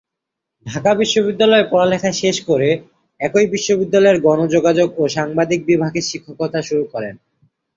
ঢাকা বিশ্ববিদ্যালয়ে পড়ালেখা শেষ করে একই বিশ্ববিদ্যালয়ের গণযোগাযোগ ও সাংবাদিক বিভাগে শিক্ষকতা শুরু করেন।